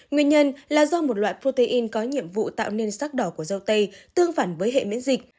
nguyên nhân là do một loại protein có nhiệm vụ tạo nên sắc đỏ của dâu tây tương phản với hệ miễn dịch